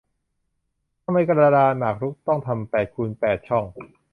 ทำไมกระดานหมากรุกต้องทำแปดคูณแปดช่อง